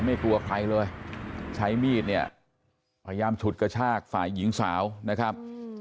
ไม่กลัวใครเลยใช้มีดเนี่ยพยายามฉุดกระชากฝ่ายหญิงสาวนะครับ